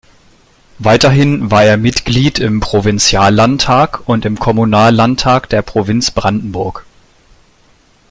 Weiterhin war er Mitglied im Provinziallandtag und im Kommunallandtag der Provinz Brandenburg.